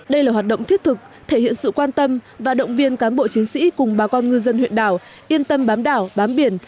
đây là hoạt động thiết thực thể hiện sự quan tâm và động viên cán bộ chiến sĩ cùng bà con ngư dân huyện đảo yên tâm bám đảo bám biển